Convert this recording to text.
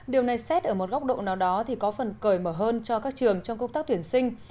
điều này xét ở một góc độ nào đó thì có phần cởi mở hơn cho các trường trong công tác tuyển sinh